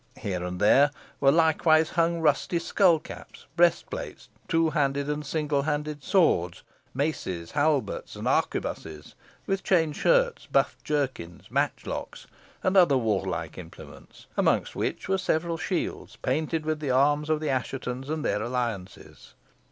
Here and there were likewise hung rusty skull caps, breastplates, two handed and single handed swords, maces, halberts, and arquebusses, with chain shirts, buff jerkins, matchlocks, and other warlike implements, amongst which were several shields painted with the arms of the Asshetons and their alliances.